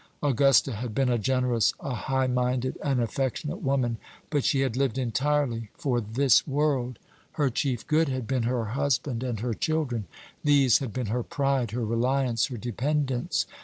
Augusta had been a generous, a high minded, an affectionate woman, but she had lived entirely for this world. Her chief good had been her husband and her children. These had been her pride, her reliance, her dependence.